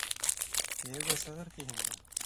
Кейәүгә сығыр тиһеңме?